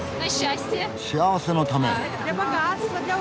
幸せのため？